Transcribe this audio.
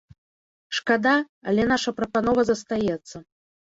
Шкада, але наша прапанова застаецца.